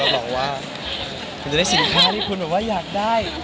เราบอกว่าคุณจะได้สินค้าที่คุณอยากได้